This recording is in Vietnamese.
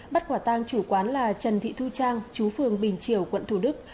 bắt quả tang chủ quán là trần thị thu trang chú phường bình triều quận thủ đức